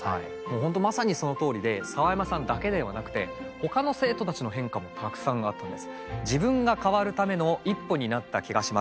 本当まさにそのとおりで澤山さんだけではなくてほかの生徒たちの変化もたくさんあったんです。